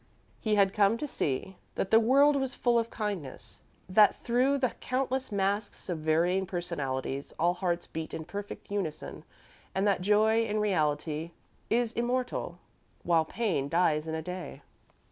He had come to see that the world was full of kindness; that through the countless masks of varying personalities, all hearts beat in perfect unison, and that joy, in reality, is immortal, while pain dies in a day.